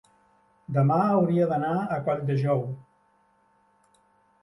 demà hauria d'anar a Colldejou.